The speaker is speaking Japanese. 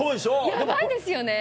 ヤバいですよね。